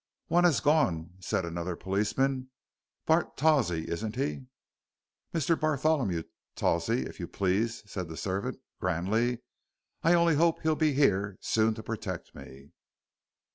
"One has gone," said another policeman. "Bart Tawsey isn't he?" "Mr. Bartholemew Tawsey, if you please," said the servant, grandly. "I only hope he'll be here soon to protect me."